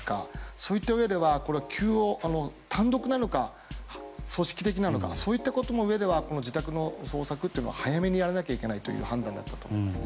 そういったうえで単独なのか、組織的なのかそういったことも含めて自宅の捜査を早めにやらないといけないという判断だったと思います。